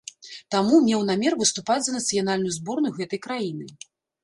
Таму меў намер выступаць за нацыянальную зборную гэтай краіны.